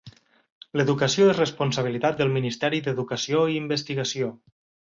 L"educació és responsabilitat del Ministeri d"Educació i Investigació.